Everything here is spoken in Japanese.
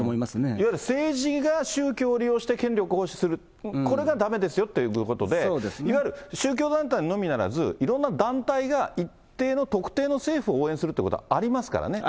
いわゆる政治が宗教を利用して権力を保持する、これがだめですよということで、いわゆる宗教団体のみならずいろんな団体が一定の、特定の政府を応援するということはありますからね。